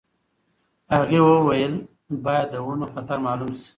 هغې وویل باید د ونو خطر مالوم شي.